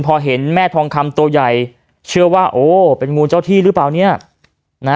พอเห็นแม่ทองคำตัวใหญ่เชื่อว่าโอ้เป็นงูเจ้าที่หรือเปล่าเนี่ยนะ